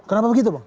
kenapa begitu bang